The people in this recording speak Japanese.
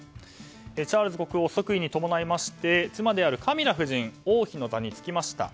チャールズ国王即位に伴いまして妻であるカミラ夫人王妃の座につきました。